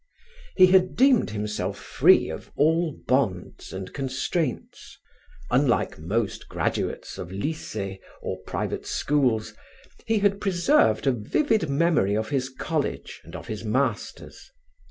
He had deemed himself free of all bonds and constraints. Unlike most graduates of lycees or private schools, he had preserved a vivid memory of his college and of his masters.